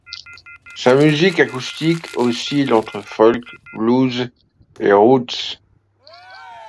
Sa musique acoustique oscille entre folk, blues et roots.